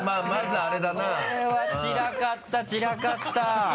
これは散らかった散らかった。